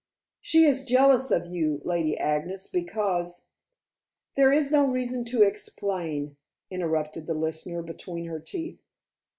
"She is jealous of you, Lady Agnes, because " "There is no reason to explain," interrupted the listener between her teeth.